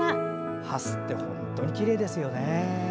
ハスって本当にきれいですよね。